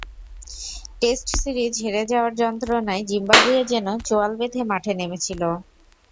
Test series হেরে যাওয়ার যন্ত্রণায় জিম্বাবুয়ে যেন চোঁয়াল বেঁধে মাঠে নেমেছিল।